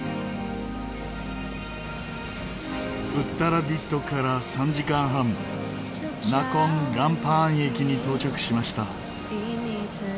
ウッタラディットから３時間半ナコン・ランパーン駅に到着しました。